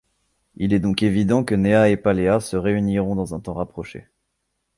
Il est donc évident que Néa et Paléa se réuniront dans un temps rapproché.